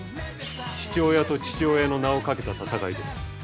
父親と父親の名をかけた戦いです。